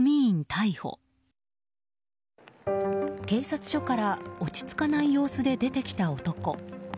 警察署から落ち着かない様子で出てきた男。